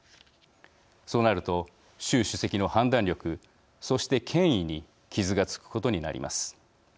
そうなると習主席の判断力そして権威に傷がつくことになります。